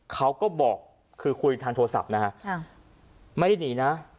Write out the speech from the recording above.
เขาก็บอกคือคุยทางโทรศัพท์นะฮะไม่ได้หนีนะ